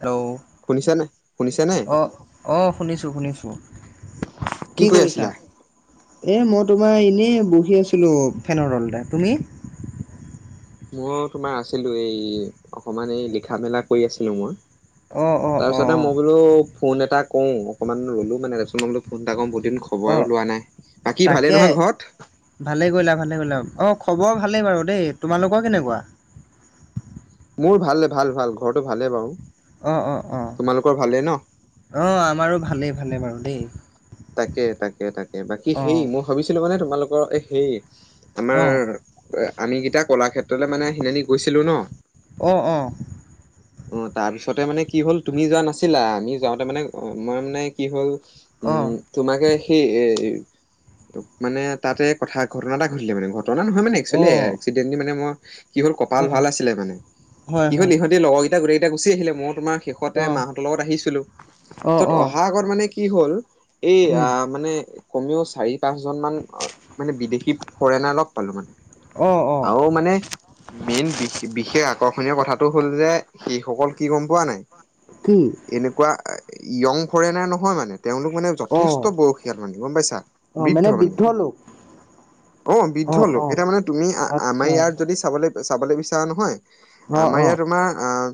Hello, শুনিছানে শুনিছানে অঁ অঁ শুনিছোঁ শুনিছোঁ। কি কৰি কৰিছা? আছিলা? এই মই তোমাৰ এনেই বহি আছিলো ফেনৰ তলতে, তুমি? মইয়ো তোমাৰ আছিলো এই অকমান এই লিখা মেলা কৰি আছিলো মই। অ' অ' তাৰপিছতে অ' মই বোলো ফোন এটা কৰোঁ অকণমান ৰলো মানে দিয়াচোন ফোন এটা কৰোঁ বহুদিন অ' খবৰো লোৱা নাই। বাকী ভালেই তাকে নহয় ঘৰত? ভালে কৰিলা, ভালে কৰিলা। অ খবৰ ভালেই বাৰু দেই, তোমালোকৰ কেনেকুৱা? মোৰ ভাল ভাল ভাল, ঘৰটো ভালে বাৰু। অ অ অ ভালে ন। অঁ আমাৰো ভালেই ভালেই বাৰু দেই। এ বাকী সেই অ' মই ভাবিছিলো মানে তোমালোকৰ এ হেই আমাৰ অ' আমিকিটা কলাক্ষেত্ৰলৈ মানে সনাানি গৈছিলো ন। অ অ অঁ তাৰ পিছতে মানে কি হ'ল তুমি যোৱা নাছিলা আমি যাওঁতে মানে মই মানে কি হ'ল অ' উম। তোমাকে সেই এ ত মানে তাতে কথা ঘটনা এটা ঘটিলে মানে ঘটনা নহয় মানে একোচোৱেলি অ' এক্সিডেণ্টি মানে মই কি! কপাল অ' ভাল আছিলে মানে হয় কিহত হয়। ইহতি লগৰ এতিয়া গোটেই কেইটা গুচি আহিলে, মই তোমাৰ শেষতে অ' মাহঁতৰ লগত আহিছিলো। অ' তত অ' অহা আগত মানে কি হ'ল এই উম মানে কমেও চাৰি পাঁচজন মান মানে বিদেশী ফৰেনাৰ লগ পালোঁ মানে। অ' অ' আৰু মানে মেইন বি বিশেষ আকৰ্ষণীয় কথাটো হ'ল যে সেইসকল কি গম পোৱা নাই? কি এনেকুৱা য়ং ফৰেণ নহয় মানে তেওঁলোক মানে অ' ঠেষ্ট বয়সীয়াল মানে গম পাইছা? অ মানে বৃদ্ধ লোক। অ বৃদ্ধ লোক এতিয়া মানে তুমি আমাৰ আচ্ছা ইয়াত যদি চাবলৈ চাবলৈ বিচৰা নহয় অ' আমাৰ অ' ইয়াত তোমাৰ অঁ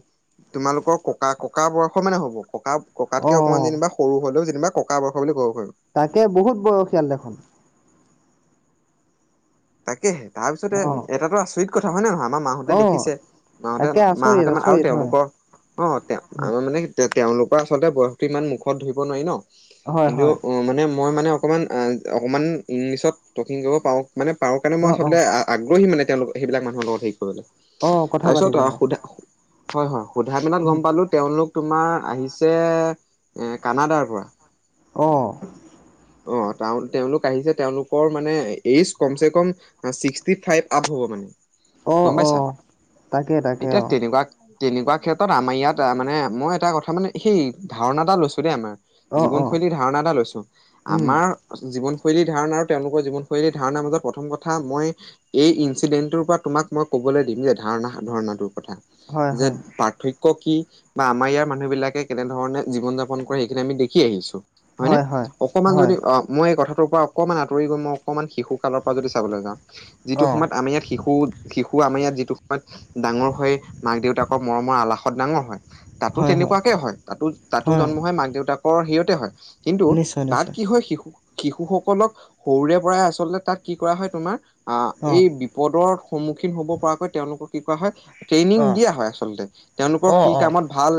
তোমালোকৰ ককা ককা বয়সৰ মানে হ'ব। ককা ককাতকে অকমান অ', যেনিবা সৰু হ'লেও। যেনিবা ককা বয়স। বুলি ক'ব পাৰি। তাকে বহুত বয়সীয়াল দেখোন। তাকে তাৰ পিছতে অ', এটাটো আচৰিত কথা হয় নে নহয়। আমাৰ মাহঁতে অ', দেখিছে মাহঁতে তাকে আচৰিত মাহতে মানে আৰু আচৰিত হয়। তেওঁলোকৰ অ তেওঁ উম, আমাৰ মানে তেওঁলোকৰ আচলতে বয়স ইমান মুখত ধৰিব নোৱাৰি ন। হয় কিন্তু হয়, অ মানে মই মানে। অকণমান অকণমান ইংলিছত টকিং কৰিব পাৰোঁ মানে পাৰোঁ কাৰণে মই অ', আচলতে অ', আগ্ৰহী মানে। তেওঁলোক সেইবিলাক মানুহৰ লগত হেৰি কৰিবলৈ। অ', কথা তাৰপিছত পাতিবলে। সোধা হয় হয় সোধা মেলাত উম, গ'ম পালো তেওঁওলোক তোমাৰ। আহিছে এ কানাডাৰ পৰা। অ, অহ তাৰমানে তেওঁলোক আহিছে তেওঁলোকৰ মানে এইজ কম চে কম ছিক্সটিফাইভ আপ হব মানে। অ', গম পাইছা অ', তাকে তাকে এতিয়া অ', তেনেকুৱা। তেনেকুৱা ক্ষেত্ৰত আমাৰ ইয়াত মানে মই এটা কথা মানে সেই ধাৰণা এটা লৈছোঁ দেই আমাৰ। অ', অ', জীৱনশৈলীৰ ধাৰণা এটা লৈছো উম। আমাৰ। জীৱনশৈলী ধাৰণা আৰু তেওঁলোকৰ জীৱনশৈলী ধাৰণাৰ মাজত প্ৰথম কথা মই এই ইনচিডেন্টটোৰ পৰা তোমাক। মই ক'বলৈ দিলো, যে ধাৰণা সাধাৰণাটোৰ কথা হয় যে হয়, পাৰ্থক্য। ক কি বা আমাৰ ইয়াৰ মানুহ বিলাকে কেনেধৰণে জীৱন যাপন কৰে সেইখিনি আমি দেখি আহিছোঁ। হয় নে অপ অকমাণ যদি অহ মই এই কথাটোৰ পৰা অকনমান আঁতৰি গৈ মই অকণমান শিশু কালৰ পৰা যদি চাবলৈ যাওঁ যিটো অ', সময়ত আমা। আমি ইয়াত শিশু শিশু আমাৰ ইয়াত যিটো সময়ত ডাঙৰ হয় মাক দেউতাকৰ মৰমৰ আলাসত ডাঙৰ হয়। তাতো তেনেকুৱাকেই হয়। তাতো তাতো জন্ম হয়। মাক দেউতাকৰ হেৰিয়তে হয় কিন্তু নিশ্চয় তাত নিশ্চয়, কি হয় শিশু। শিশু সকলক, সৰুৰে পৰাই আচলতে তাত কি কৰা হয় তোমাৰ, আ অ', এই বিপদৰ সন্মুখ ক্ষীন হ'ব পৰাকৈ তেওঁলোকক কি কৰা হয়। ট্ৰেইনিং অ', দিয়া হয় আচলতে তেওঁলোকৰ কি অ', অ', কামত ভাল।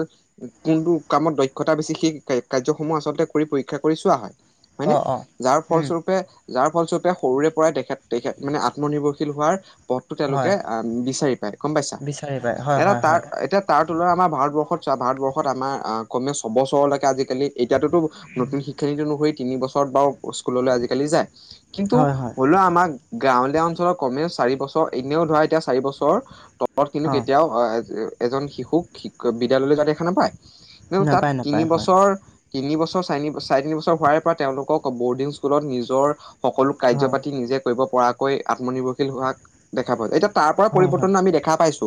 কোনটো কামত দক্ষতা বেছি সেই কাৰ্যসমূহ আচলতে কৰি পৰীক্ষা কৰি চোৱা হয়। হয়নে? অ', অ', যাৰ উম, ফলস্বৰূপে যাৰ ফলস্বৰূপে সৰুৰে পৰাই তেখেত তেখেত মানে আত্মনিৰ্ভৰশীল হোৱাৰ পথটো তেওঁলোকে হয়, আ বিচাৰি। গম পাইছা? বিচাৰি পায় হয় এতা হয় তাত, হয়, এতিয়া তাত আমাৰ ভাৰতবৰ্ষত চোৱা ভাৰতবৰ্ষত আমাৰ কমেও ছবছৰলৈকে আজিকালি এতিয়াতোতো উম, নতুন শিক্ষ। খিনিত অনুসৰি তিনি বছৰত বাৰু স্কুললৈ আজিকালি যায় কিন্তু হয় হয়, হ'লেও আমাক। গাঁৱলীয়া অঞ্চলত কমেও চাৰি বছৰ, এনেও ধৰা এতিয়া চাৰি বছৰ তলত কিন্তু অ', কেতিয়াও এজন শিশুক বিদ্যালয়লৈ যোৱা দেখা নাপায়। কিন্তু তাত নাপায় তিনি নাপায় হয়, বছৰ। তিনি বছৰ চাৰ চাৰে তিনি বছৰ হোৱাৰ পৰা তেওঁলোকক বৰ্ডিং স্কুলত নিজৰ। সকলো কাৰ্য্য হয়, পাতি নিজে। কৰিব পৰাকৈ আত্মনিৰ্ভৰশীল হোৱা দেখা পোৱা যায়। এতিয়া তাৰ পৰা হয় হয়। পৰিৱৰ্তন আমি দেখা পাইছো।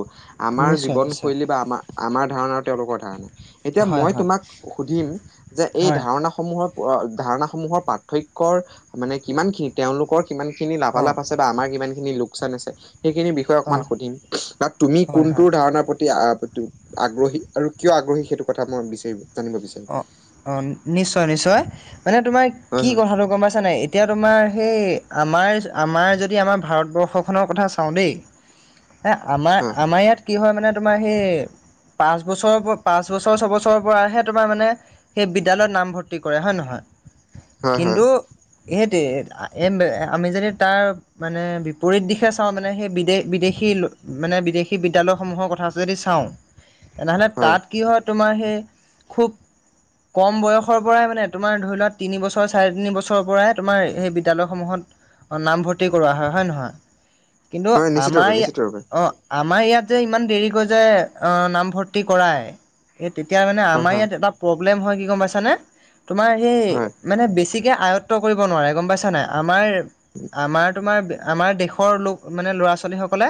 আমাৰ নিশ্চয় নিশ্চয় জীৱনশৈলী বা আমাৰ আমাৰ ধাৰণা আৰু তেওঁলোকৰ ধাৰণা। এতিয়া হয় মই হয় তোমাক সুধিম যে এই হয় ধাৰণা ল ধাৰণাসমূহৰ পাৰ্থক্যৰ মানে কিমানখিনি তেওঁলোকৰ কিমানখিনি অঁ লাভালাভ আছে তাৰ। আমাৰ কিমানখিনি লোকচান আছে, সেইখিনি বিষয়ে অঁ অকমান সুধিব, বা তুমি হয় হয় কোনটো ধাৰনাৰ প্ৰতি আ আগ্ৰহী আৰু কিয় আগ্ৰহী সেইটো কথা মই বিচাৰি জানিব বিচাৰিম। অঁ অঁ নিশ্চয় নিশ্চয় মানে তোমাৰ হয় কি হয় কথাটো গম পাইছানে এতিয়া তোমাৰ। সেই আমাৰ আমাৰ যদি আমাৰ ভাৰতবৰ্ষখনৰ কথা চাওঁ দেই। এ আমাৰ হয় আমাৰ ইয়াত কি হয় মানে। মানে তোমাৰ সেই, পাঁচ বছৰ পাঁচ বছৰ ছবছৰৰ পৰাহে তোমাৰ মানে সেই বিদ্যালয়ত নামভৰ্তি কৰে হয় নহয়। হয় হয় কিন্তু সেইটোৱে, আমি যদি তাৰ মানে বিপৰীত দিশে চাওঁ মানে সেই বিদেশ বিদেশী মানে বিদেশী বিদ্যালয়সমূহৰ কথা যদি চাওঁ। তেনেহ'লে তাত কি হয় তোমাৰ সেই খুউব। কম বয়সৰ পৰাই মানে তোমাৰ ধৰি লোৱা তিনিবছৰ চাৰে তিনি বছৰৰ পৰাই তোমাৰ সেই বিদ্যালয়সমূহত অ 'নামভৰ্তি কৰোৱা হয়ে নহয় [inaudible] কিন্তু নিশ্চিত আমাৰ ৰূপে ইয়াত নিশ্চিত ৰূপে অ' আমাৰ ইয়াত যে ইমান দেৰিকৈ যে নামভৰ্তি কৰাই তেতিয়া মানে হয় আমাৰ হয় ইয়াত এটা প্ৰব্লেম হয় কি হয় মানে আয়ত্ব কৰিব নোৱাৰে গম পাইছা নাই আমাৰ আমাৰ তোমাৰ আমাৰ দেশৰ লোক মানে ল'ৰা ছোৱালীসকলে,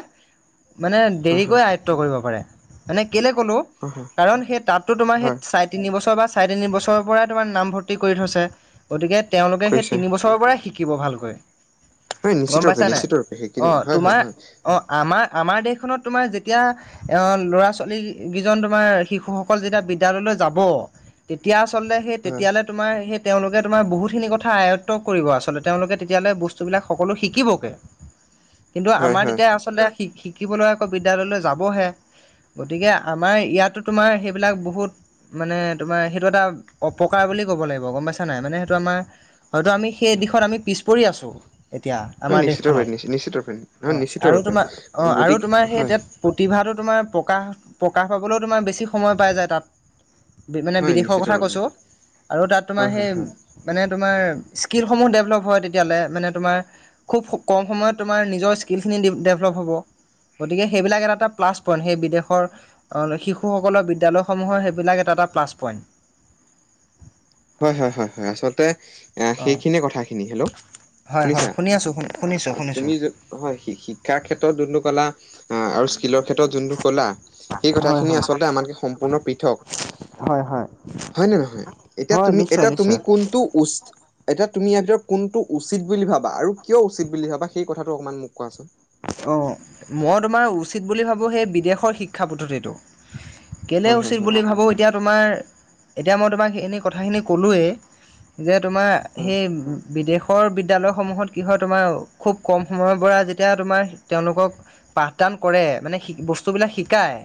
মানে হয় হয় দেৰিকৈ আয়ত্ব কৰিব পাৰে। মানে কেলে ক'লো, হয় হয় কাৰণ সেই তাততো তোমাৰ সেই হয় চাৰে তিনিবছৰ বা চাৰে তিনি বছৰৰ পৰাই তোমাৰ নামভৰ্তি কৰি থৈছে গতিকে তেওঁলোকে সেই কৰিছে তিনি বছৰৰ পৰাই শিকি শিকিব ভালকৈ হয় নিশ্চিত ৰূপে নিশ্চিত ৰূপে সেইখিনি হয় হয় তোমাৰ হয় আমাৰ আমাৰ দেশখনত তোমাৰ যেতিয়া ল'ৰা ছোৱালীকিজন তোমাৰ শিশুসকল যেতিয়া বিদ্যালয়লৈ তেতিয়া তেতিয়া আচলতে হয় তেতিয়ালে তোমাৰ তেওঁলোকে তোমাৰ বহুতখিনি কথা আয়ত্ব কৰিব আচলতে তেওঁলোকে তেতিয়াললে বস্তুবিলাক সকলো শিকিবকে। [inaudible] কিন্তু আমাৰ হয় তেতিয়া আচলতে শ শিকিবলৈ আকৌ বিদ্য়ালয়লৈ যাবহে গতিকে আমাৰ ইয়াতো তোমাৰ সেইবিলাক বহুত, মানে তোমাৰ সেইটো এটা অপকাৰ বুলি ক'ব লাগিব গম পাইছা নাই? মানে সেইটো আমাৰ, হয়তো আমি সেই দিশত আমি পিছ পৰি আছোঁ এতিয়া, হয় আমাৰ নিশ্চিত ৰূপে দেশখনত, নিশ্চিত ৰূপে অ, হয় নিশ্চিত আৰু ৰূপে তোমাৰ, অ আৰু গতিকে তোমাৰ সেই হয় তাত প্ৰতিভাটো তোমাৰ প্ৰকাশ প্ৰকাশ পাবলৈও তোমাৰ বেছি সময় পাই যায় তাত মানে বি হয় নিশ্চিত কথা ৰূপে কৈছোঁ তাত হয় মানে হয় হয় হেৰী তোমাৰ স্কিলসমূহ দেভলপ হয় তেতিয়ালৈ‌, মানে তোমাৰ খুব কম সময়ত নিজৰ স্কিলখিনি ডেভলপ হ'ব। গতিকে সেইবিলাক এটা এটা প্লাছ পইন্ট সেই বিদেশৰ শিশুসকলৰ বিদ্যয়ালয়সমূহৰ সেইবিলাক এটা এটা প্লাছ পইণ্ট। হয়, হয়, হয়, হয়, আচলতে অঁ সেইখিনিয়ে কথাখিনি। হেল্ল' হয় হয় শুনিছা? শুনি আছোঁ শুনিছোঁ শুনিছোঁ তুমি য'ত হয়, শিক্ষাৰ ক্ষেত্ৰত জোনটো কলা আৰু স্কিলৰ ক্ষেত্ৰত যোনটো ক'লা সেই হয় কথাখিনি হয় আচলতে আমাত সম্পূৰ্ণ পৃথক। হয় হয় হয় ন নহয় এতিয়া হয় তুি নিশ্চয় এতিয়া তুমি নিশ্চয় কোনটো উ, এতিয়া তুমি ইয়াৰ ভিতৰত কোনটো উচিত বুলি ভাবা আৰু কিয় উচিত বুলি ভাবা সেই কথাটো অকমান মোক কোৱাচোন। অ' মই তোমাৰ উচিত বুলি ভাবোঁ সেই বিদেশৰ শিক্ষা পদ্ধতিটো কেলে হয় হয় উচিত হয় বুলি ভাবোঁ এতিয়া তোমাৰ এতিয়া মই তোমাক এনেই কথাখিনি কলোৱেই হয় বিদ্যালয়সমূহত কি হয় তোমাৰ খুব কম সময়ৰ পৰা যেতিয়া তোমাৰ তেওঁলোকক পাঠদান কৰে, মানে বস্তুবিলাক শিকায়।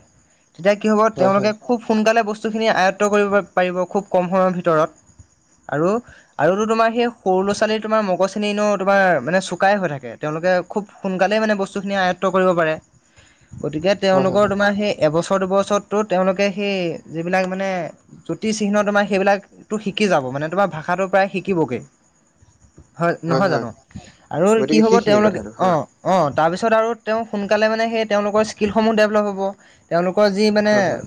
তেতিয়া কি হ'ব হয় তেওঁলোকে হয় খুব সোনকালে বস্তুখিনি আয়ত্ব কৰিব পাৰিব খুব কম সময়ৰ ভিতৰত আৰু আৰু তোমাৰ সেই সৰু ল'ৰা ছোৱালী তোমাৰ মগজ চেিনো তোমাৰ মানে চকাই হৈ থাকে তেওঁলোক খুব সোনকালে মানে বস্তু খিনি আয়ত্ব কৰিব পাৰে হয় হয় হয় বছৰ দুবছৰটোত তেওঁলোকে সেই যিবিলাক মানে জ্যোতিচিহ্ন তোমাৰ সেইবিলাকতটো শিকি যাব। মানে তোমাৰ ভাষাটো প্ৰায় শিকিবগে। [inaudible] হয় নহয় জানো আৰু কি গতিকে হ'ব সেইখিনি তেওঁলোকে কথাটো অ হয় অ তাৰপিছত আৰু তেওঁ, সোনকালে মানে, সেই তেওঁলোকৰ, স্কিলসমূহ ডেভেলপ হ'ব। তেওঁলোক কয় যি মানে হয় হয়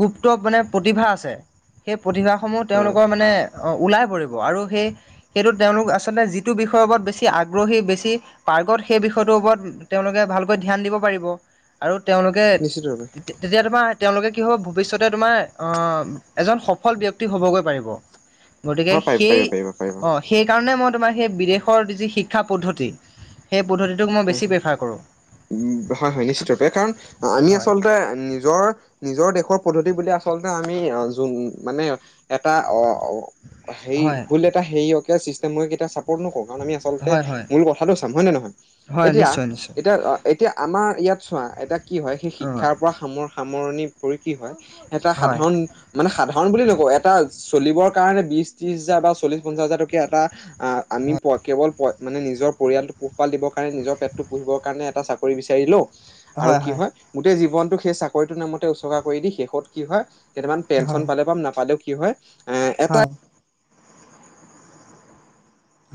গুপ্ত মানে প্ৰতিভা আছে সেই প্ৰতিভাসমূহ হয় তেওঁলোকৰ মানে অ ওলাই পৰিব আৰু সেই সেইটো তেওঁলোক আচলতে যিটো বিষয়ৰ ওপৰত বেছি আগ্ৰহী বেছি পাৰ্গত। সেই বিষয়টোৰ ওপৰত, তেওঁলোকে ভালকৈ ধ্যান দিব পাৰিব। আৰু তেওঁলোকে নিশ্চিত ৰূপে তেতিয়া তোমাৰ। তেওঁলোকে কি হব ভৱিষ্যতে তোমাৰ আহ এজন সফল ব্যক্তি হবগৈ পাৰিব গতিকে হয় পাৰিব সেই পাৰিব পাৰিব পাৰিব অ' সেইকাৰণে মই তোমাৰ সেই বিদেশৰ যি যি শিক্ষা পদ্ধতি সেই পদ্ধতিটোক মই বেছি প্ৰিফাৰ কৰোঁ। উ হয় হয় নিশ্চিত ৰূপে কাৰণ আমি হয় আচলতে নিজৰ, নিজৰ দেশৰ পদ্ধতি বুলি আচলতে আমি যোন মানে এটা অ হেৰি হয় ভুল এটা হেৰিয়কে চিষ্টেমৰ কেইটা চ [unintelligible] আমি আচলতে হয় হয় মূল কথাটো চাম হয় নে নহয় হয় এতিয়া নিশ্চয় নিশ্চয় এতিয়া এতিয়া আমাৰ ইয়াত চোৱা এতিয়া কি হয় সেই অ শিক্ষাৰ পৰা সামৰ সামৰণি পৰি কি হয় এটা হয় সাধাৰণ, মানে সাধাৰণ বুলি নকওঁ এটা চলিবৰ কাৰণে বিশ ত্ৰিশ হাজাৰ বা চল্লিশ পঞ্চাশ হাজাৰ টকীয়া এটা আহ আমি কেৱল প মানে নিজৰ পৰিয়ালটোক পোহপাল দিব নিজৰ পেটতো পুহিবৰ কাৰণে এটা চাকৰি বিচাৰিলোঁ আৰু হয় হয় কি হৈ গোটেই জীৱন সেই চাকৰিটোৰ নামতে উচৰ্গা কৰি দি শেষত কি হয় কেইটামান পেঞ্চন হয় পালে বা নাপালেও কি হয় এ এটা হয়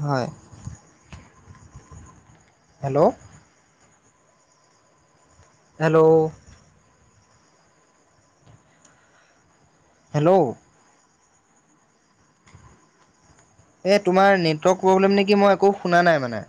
হয় হেল্ল' হেল্ল' হেল্ল' এই তোমাৰ নেটৱৰ্ক প্ৰব্লেম নেকি মই একো শুনা নাই মানে।